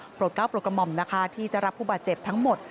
โปรดเก้าโปรดกระหม่อมที่จะรับผู้บาดเจ็บทั้งหมด